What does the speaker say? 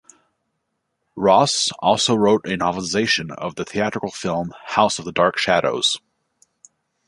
Ross also wrote a novelization of the theatrical film "House of Dark Shadows".